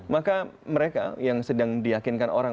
maka mereka yang sedang diyakinkan orang